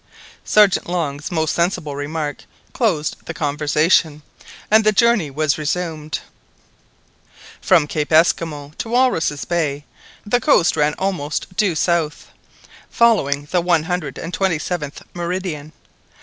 Sergeant Long's most sensible remark closed the conversation, and the journey was resumed. From Cape Esquimaux to Walruses' Bay the coast ran almost due south, following the one hundred and twenty seventh meridian.